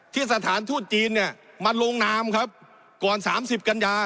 สถานทูตจีนเนี่ยมาลงนามครับก่อน๓๐กันยา